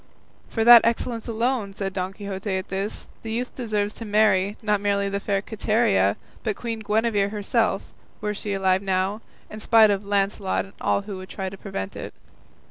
"For that excellence alone," said Don Quixote at this, "the youth deserves to marry, not merely the fair Quiteria, but Queen Guinevere herself, were she alive now, in spite of Launcelot and all who would try to prevent it."